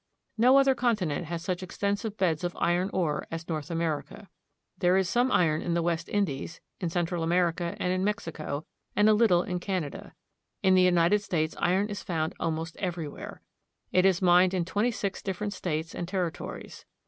No other continent has such extensive beds of iron ore as North America. There is some iron in the West Indies, in Central America, and in Mexico, and a little in Canada. In the United States iron is found almost every where. It is mined in twenty six different states and terri tories.